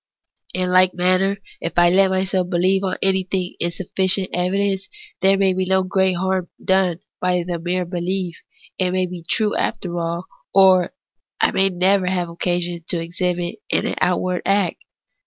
In like manner, if I let myself believe anything on insufficient evidence, there may be no great harm done by the mere belief ; it may be true after all, or I may never have occasion to exhibit it in outward acts.